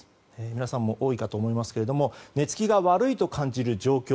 皆さんも多いかと思いますが寝つきが悪いと感じる状況。